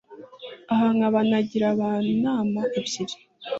Aha nkaba nagira abantu inama ebyiri